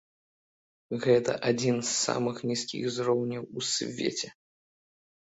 Гэта адзін з самых нізкіх узроўняў у свеце.